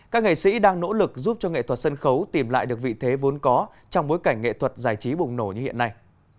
các nghệ sĩ đang nỗ lực giúp cho nghệ thuật sân khấu tìm lại được vị thế vốn có trong bối cảnh nghệ thuật giải trí bùng nổ như hiện nay